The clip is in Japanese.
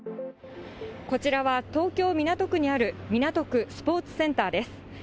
こちらは東京・港区にある港区スポーツセンターです。